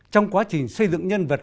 trong quá trình xây dựng nhân vật